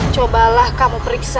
cobalah kamu periksa